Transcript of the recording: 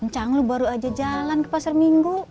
chang lu baru aja jalan ke pasar minggu